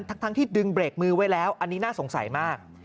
ทั้งที่ดึงเบรกมือไว้แล้วอันนี้น่าสงสัยมาก